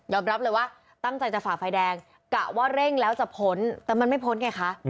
รับเลยว่าตั้งใจจะฝ่าไฟแดงกะว่าเร่งแล้วจะพ้นแต่มันไม่พ้นไงคะ